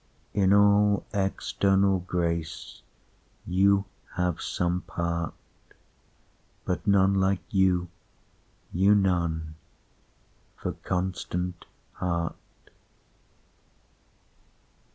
In all external grace you have some part, But you like none, none you, for constant heart.